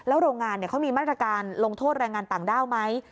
โรงงานเขามีมาตรการลงโทษแรงงานต่างด้าวไหม